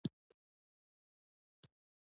خلکو یو له بل سره د اختر مبارکۍ وکړې.